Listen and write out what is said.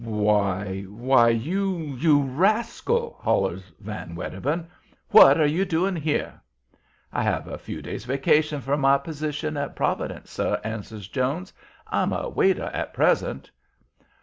"Why! why, you you rascal!" hollers Van Wedderburn. "What are you doing here?" "I have a few days' vacation from my position at Providence, sir," answers Jones. "I'm a waiter at present."